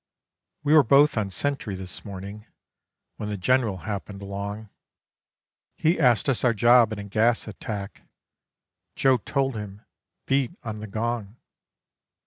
"We were both on sentry this morning, when the General happened along. He asked us our job in a gas attack. Joe told him, 'Beat on the gong.